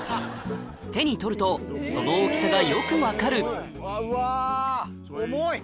手に取るとその大きさがよく分かるうわ。